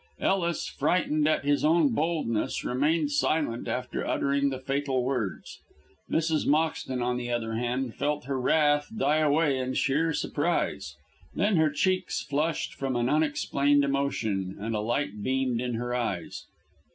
Ellis, frightened at his own boldness, remained silent after uttering the fatal words; Mrs. Moxton, on the other hand, felt her wrath die away in sheer surprise. Then her cheeks flushed from an unexplained emotion, and a light beamed from her eyes.